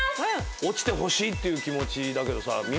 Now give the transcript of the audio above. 落ちてほしいっていう気持ちだけどさみ